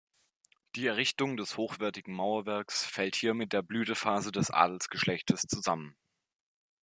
Die Errichtung des hochwertigen Mauerwerks fällt hier mit der Blütephase des Adelsgeschlechtes zusammen.